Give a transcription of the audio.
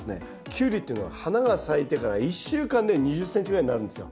キュウリっていうのは花が咲いてから１週間で２０ｃｍぐらいになるんですよ。